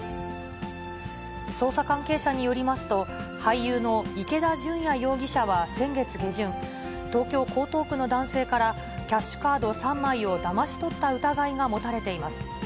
捜査関係者によりますと、俳優の池田純矢容疑者は先月下旬、東京・江東区の男性からキャッシュカード３枚をだまし取った疑いが持たれています。